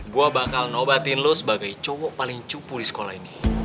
gue bakal nobatin lo sebagai cowok paling cupu di sekolah ini